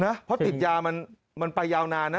เพราะติดยามันไปยาวนานนะ